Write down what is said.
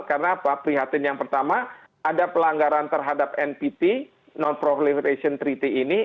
karena apa pihatin yang pertama ada pelanggaran terhadap npt non proliferation treaty ini